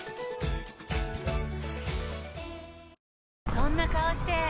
そんな顔して！